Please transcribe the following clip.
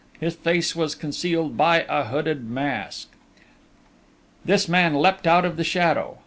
His face was concealed by a hooded mask.... This man had leapt out of the shadow.